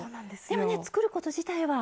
でも作ること自体は。